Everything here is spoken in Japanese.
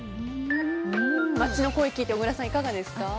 街の声聞いて小倉さん、いかがですか。